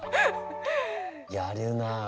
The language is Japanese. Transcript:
やるな。